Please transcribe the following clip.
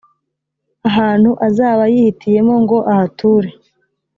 ahantu azaba yihitiyemo ngo ahature